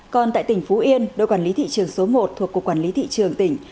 còn tại tỉnh phú yên đội quản lý thị trường số một thuộc cục quản lý thị trường tỉnh